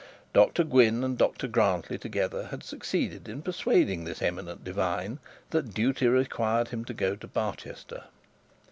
Dr Gwynne and Dr Grantly together had succeeded in persuading this eminent divine that duty required him to go Barchester.